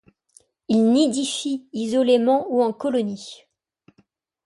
Il nidifie isolément ou en colonies.